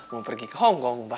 mau pergi ke hongkong